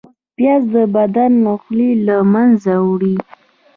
پیاز د بدن خولې له منځه وړي